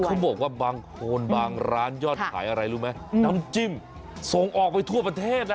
เขาบอกว่าบางคนบางร้านยอดขายอะไรรู้ไหมน้ำจิ้มส่งออกไปทั่วประเทศนะ